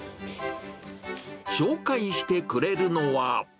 紹介してくれるのは。